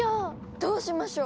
どうしましょう？